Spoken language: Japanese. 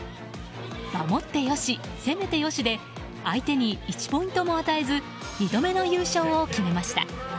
守ってよし攻めてよしで相手に１ポイントも与えず２度目の優勝を決めました。